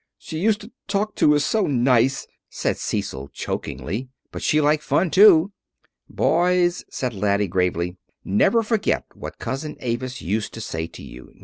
"She used to talk to us so nice," said Cecil chokily. "But she liked fun, too." "Boys," said Laddie gravely, "never forget what Cousin Avis used to say to you.